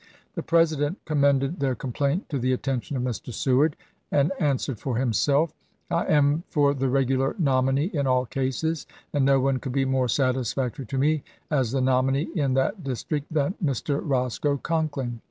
The President commended their complaint to the attention of Mr. Seward, and an swered for himself: " I am for the regular nominee in all cases, and no one could be more satisfactory to me as the nominee in that district than Mr. Lincoln [Roscoe] Conkling.